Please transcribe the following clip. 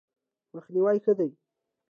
مخنیوی ښه دی.